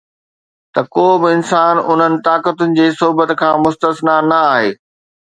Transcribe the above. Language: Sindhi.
ته ڪو به انسان انهن طاقتن جي صحبت کان مستثنيٰ نه آهي